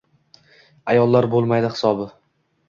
Ayollar boʻlmaydi hisobi.